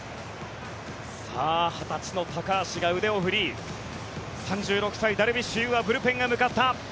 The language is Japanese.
さあ、２０歳の高橋が腕を振り３６歳、ダルビッシュ有はブルペンへ向かった。